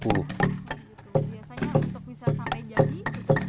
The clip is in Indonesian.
itu berapa waktu lalu